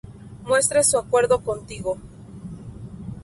muestre su acuerdo contigo